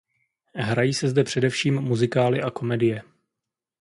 Hrají se zde především muzikály a komedie.